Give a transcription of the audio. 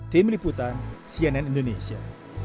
tim liputan cnn indonesia